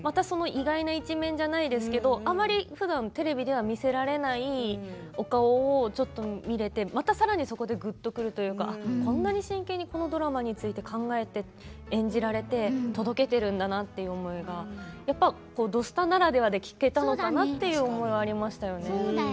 その意外な一面じゃないですけれどもあまりふだんテレビでは見せられないお顔を見られてまたさらに、そこでぐっとくるというかこんなに真剣にこのドラマについて考えて演じられて届けられているんだなっていう思いが「土スタ」ならではで聞けたのかなという思いはありましたよね。